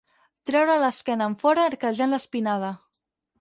Treure l'esquena enfora arquejant l'espinada.